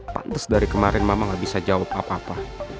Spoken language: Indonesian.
pantes dari kemarin mama gak bisa jawab apa apa